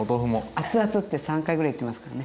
あつあつって３回ぐらい言ってますからね。